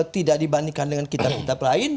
tidak dibandingkan dengan kitab kitab lain